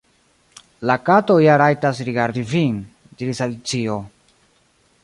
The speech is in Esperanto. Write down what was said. "La Kato ja rajtas_ rigardi vin," diris Alicio. "